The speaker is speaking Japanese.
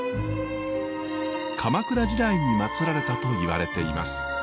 鎌倉時代にまつられたといわれています。